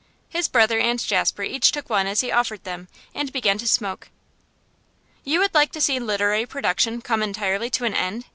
His brother and Jasper each took one as he offered them, and began to smoke. 'You would like to see literary production come entirely to an end?